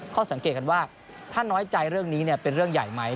สังเกตกันว่าถ้าน้อยใจเรื่องนี้เป็นเรื่องใหญ่ไหม